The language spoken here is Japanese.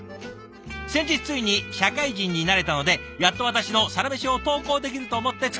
「先日ついに社会人になれたのでやっと私のサラメシを投稿できると思って作りました。